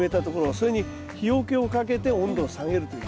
それに日よけをかけて温度を下げるという。